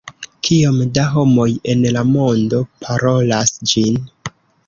Kiom da homoj en la mondo parolas ĝin?